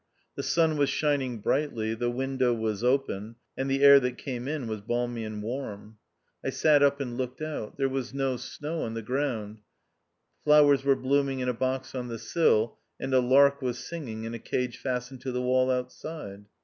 The sun was shining brightly, the window was open, and the air that came in was balmy and warm. I sat up and looked out ; there was no snow on the ground ; flowers were blooming in a box on the sill, and a lark was singing in a cage fastened to the wall outside.